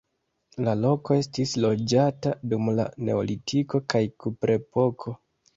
La loko estis loĝata dum la neolitiko kaj kuprepoko.